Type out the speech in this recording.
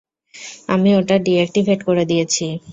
আমি ওটা ডিএক্টিভেট করে দিয়েছি।